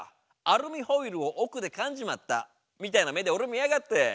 アルミホイルを奥でかんじまったみたいな目で俺を見やがって！